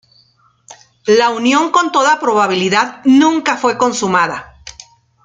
La unión, con toda probabilidad, nunca fue consumada.